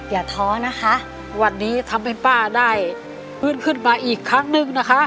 ท้อนะคะวันนี้ทำให้ป้าได้ฟื้นขึ้นมาอีกครั้งหนึ่งนะคะ